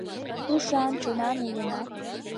Ушан, чонан улына